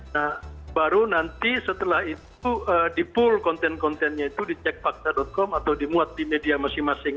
nah baru nanti setelah itu dipul konten kontennya itu di cekfakta com atau dimuat di media masing masing